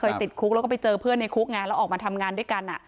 ติดคุกแล้วก็ไปเจอเพื่อนในคุกไงแล้วออกมาทำงานด้วยกัน